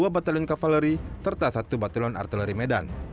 dua batalion kavaleri serta satu batalon artileri medan